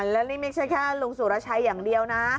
แล้วนี่ไม่ใช่แค่ลุงสุรชัยอย่างเดียวนะ